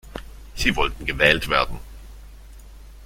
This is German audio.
Sie wollten gewählt werden.